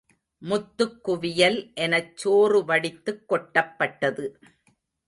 முத்துக்குவியல் எனச்சோறு வடித்துக் கொட்டப்பட்டது.